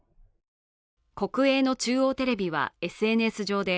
国営の中央テレビはＳＮＳ上で